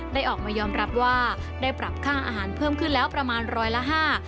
ได้ออกมายอมรับว่าได้ปรับค่าอาหารเพิ่มขึ้นแล้วประมาณร้อยละห้า